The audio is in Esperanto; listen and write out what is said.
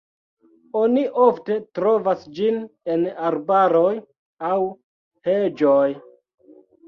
Oni ofte trovas ĝin en arbaroj aŭ heĝoj.